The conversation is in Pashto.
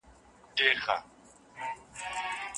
څوک د سیاست پوهنې پلار دی؟